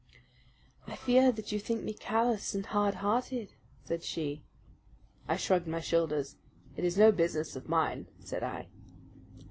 "I fear that you think me callous and hard hearted," said she. I shrugged my shoulders. "It is no business of mine," said I.